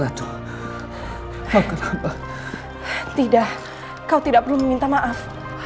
maafkan hamba tidak kau tidak perlu minta maaf